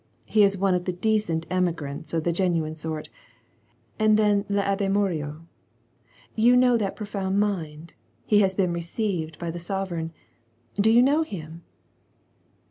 He is one of the decent emigrants of the genuine sort. And then I'Abb^ Morio ; do you know that profound mind ? He has been received by the sovereign. Do you know him